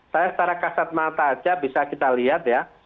saya secara kasat mata saja bisa kita lihat ya